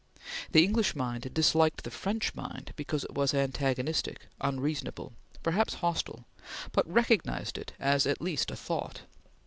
The English mind disliked the French mind because it was antagonistic, unreasonable, perhaps hostile, but recognized it as at least a thought.